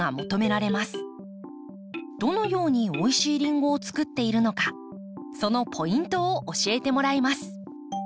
どのようにおいしいリンゴをつくっているのかそのポイントを教えてもらいます。